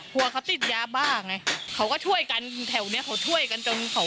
กลัวเขาติดยาบ้าไงเขาก็ช่วยกันแถวเนี้ยเขาช่วยกันจนเขา